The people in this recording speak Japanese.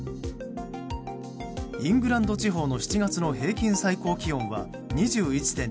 イングランド地方の７月の平均最高気温は２１．２度。